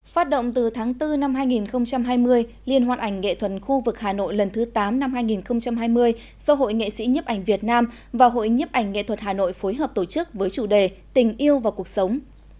phát động từ tháng bốn năm hai nghìn hai mươi liên hoan ảnh nghệ thuật khu vực hà nội lần thứ tám năm hai nghìn hai mươi do hội nghệ sĩ nhấp ảnh việt nam và hội nhiếp ảnh nghệ thuật hà nội phối hợp tổ chức với chủ đề tình yêu và cuộc sống